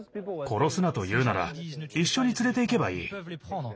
殺すなというなら一緒に連れていけばいい。